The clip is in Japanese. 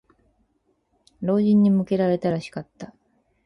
「あんた、だれだね？」と、偉そうな声が叫んだが、老人に向けられたらしかった。